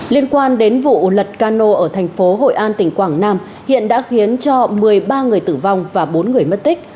liên quan đến vụ lật cano ở thành phố hội an tỉnh quảng nam hiện đã khiến cho một mươi ba người tử vong và bốn người mất tích